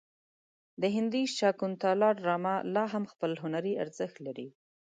د هندي شاکونتالا ډرامه لا هم خپل هنري ارزښت لري.